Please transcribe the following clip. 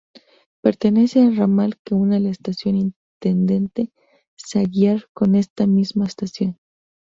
Pertenece al ramal que une la estación Intendente Saguier con esta misma estación.